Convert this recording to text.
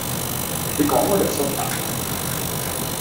你講我就信呀